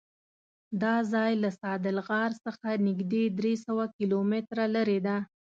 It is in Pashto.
دا ځای له ستادل غار څخه نږدې درېسوه کیلومتره لرې دی.